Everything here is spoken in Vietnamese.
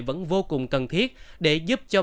vẫn vô cùng cần thiết để giúp cho